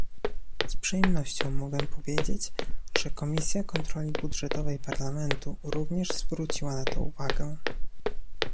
Z przyjemnością mogę powiedzieć, że Komisja Kontroli Budżetowej Parlamentu również zwróciła na to uwagę